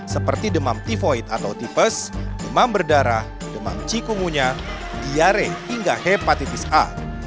seperti demam tivoid atau tipes demam berdarah demam cikungunya diare hingga hepatitis a